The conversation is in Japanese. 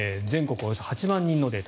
およそ８万人のデータ。